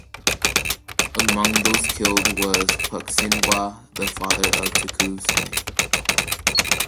Among those killed was Pucksinwah, the father of Tecumseh.